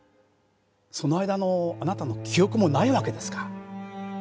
その間のあなたの記憶もないわけですか？